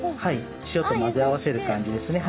塩と混ぜ合わせる感じですね。